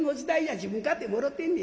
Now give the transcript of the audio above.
自分かてもろてんねん。